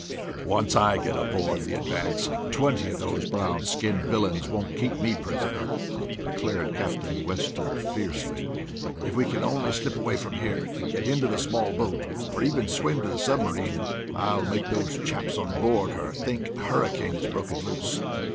"Once I get aboard the Advance twenty of those brown skinned villains won't keep me prisoner," declared Captain Weston fiercely. "If we can only slip away from here, get into the small boat, or even swim to the submarine, I'll make those chaps on board her think a hurricane has broken loose."